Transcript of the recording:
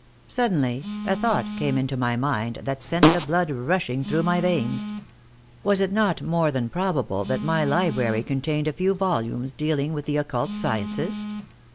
Suddenly, a thought came into my mind that sent the blood rushing through my veins. Was it not more than probable that my library contained a few volumes dealing with the occult sciences?